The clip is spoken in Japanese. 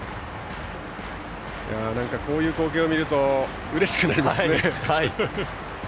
こういう光景を見るとうれしくなりますね。